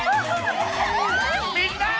みんな！